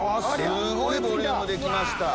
すごいボリュームで来ました。